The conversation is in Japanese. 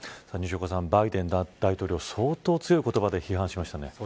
西岡さん、バイデン大統領相当強い言葉で批判しましたね。